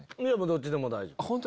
どっちでも大丈夫。